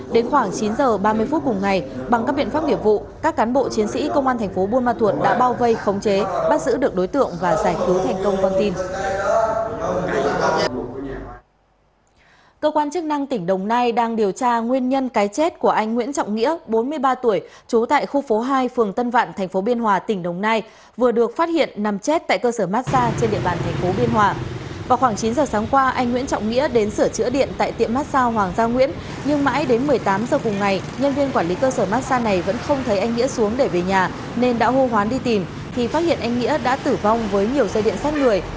đến khoảng chín h sáng qua anh nguyễn trọng nghĩa đến sửa chữa điện tại tiệm massage hoàng gia nguyễn nhưng mãi đến một mươi tám h cùng ngày nhân viên quản lý cơ sở massage này vẫn không thấy anh nghĩa xuống để về nhà nên đã hô hoán đi tìm khi phát hiện anh nghĩa đã tử vong với nhiều dây điện sát người